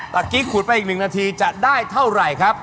ตะกี้ขุดไปอีกหนึ่งนาทีจะได้เท่าไหร่ครับ